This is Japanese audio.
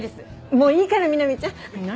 もういいからみなみちゃん。何？